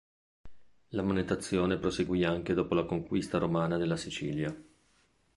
La monetazione proseguì anche dopo la conquista romana della Sicilia.